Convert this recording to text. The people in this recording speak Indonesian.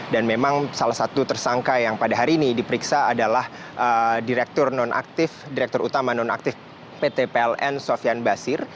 dan memang salah satu tersangka yang pada hari ini diperiksa adalah direktur utama nonaktif pt pln sofian basir